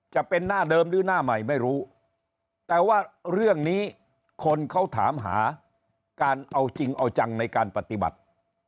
จะเป็นหน้าเดิมหรือหน้าใหม่ไม่รู้แต่ว่าเรื่องนี้คนเขาถามหาการเอาจริงเอาจังในการปฏิบัติ